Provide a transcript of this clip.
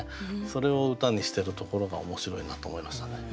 それを歌にしてるところが面白いなと思いましたね。